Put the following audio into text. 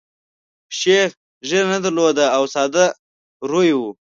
شیخ ږیره نه درلوده او ساده روی وو.